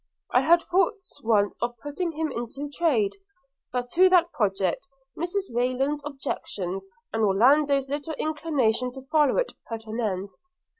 I had thoughts once of putting him into trade; but to that project Mrs Rayland's objections, and Orlando's little inclination to follow it, put an end.'